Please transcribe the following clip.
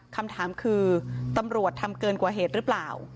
คำถามคือตำรวจทำเกินกว่าเหตุหรือเปล่า